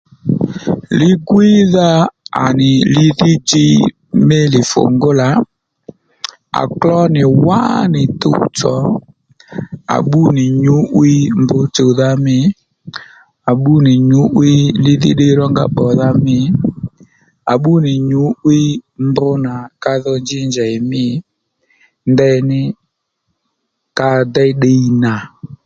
Li-gwíydha à nì li dhí djiy mí lìfùngúlà à kló nì wánì tuwtsò à bbú nì nyǔ'wiy mb chùwdha mî à bbú nì nyǔ'wiy lidhí ddiy rónga pbòdha mî à bbú nì nyǔ'wiy mb nà ka dho njí njèy mî ndeyní ka déy ddiy nà